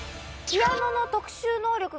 ピアノの特殊能力？